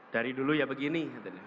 dari dulu ya begini